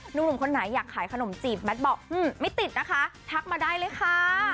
หนุ่มคนไหนอยากขายขนมจีบแมทบอกไม่ติดนะคะทักมาได้เลยค่ะ